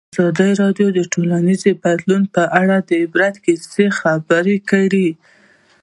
ازادي راډیو د ټولنیز بدلون په اړه د عبرت کیسې خبر کړي.